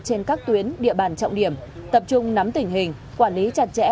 trên các tuyến địa bàn trọng điểm tập trung nắm tình hình quản lý chặt chẽ